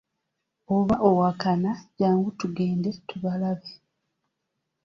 Oba owakana jangu tugende tubalabe.